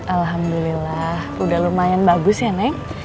alhamdulillah udah lumayan bagus ya neng